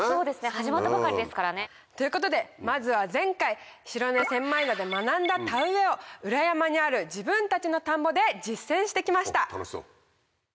始まったばかりですからね。ということでまずは前回白米千枚田で学んだ田植えを裏山にある自分たちの田んぼで実践してきました。